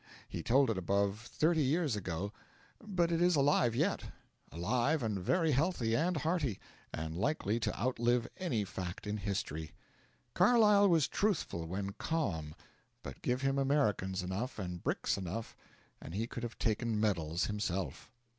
He told it above thirty years ago, but it is alive yet; alive, and very healthy and hearty, and likely to outlive any fact in history. Carlyle was truthful when calm, but give him Americans enough and bricks enough and he could have taken medals himself.